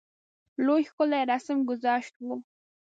لوی ښکلی رسم ګذشت وو.